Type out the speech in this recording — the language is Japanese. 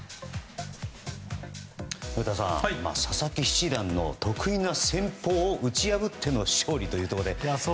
古田さん佐々木七段の得意な戦法を打ち破っての勝利というところで。